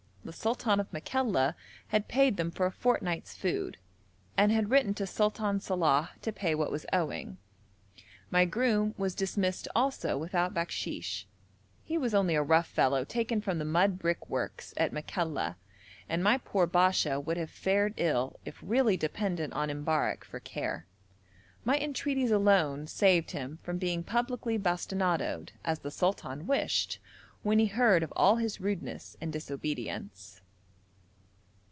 The sultan of Makalla had paid them for a fortnight's food, and had written to Sultan Salàh to pay what was owing. My groom was dismissed also without bakshish: he was only a rough fellow taken from the mud brick works at Makalla, and my poor Basha would have fared ill if really dependent on M'barrek for care. My entreaties alone saved him from being publicly bastinadoed, as the sultan wished, when he heard of all his rudeness and disobedience.